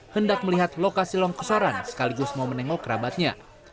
hendak melihat lokasi longsoran sekaligus mau menengok kerabatnya